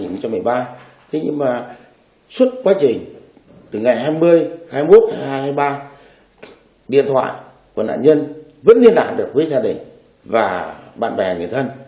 thế nhưng mà suốt quá trình từ ngày hai mươi hai mươi một hai nghìn hai mươi ba điện thoại của nạn nhân vẫn liên lạc được với gia đình và bạn bè người thân